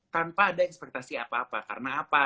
tanpa ada ekspektasi apa apa karena apa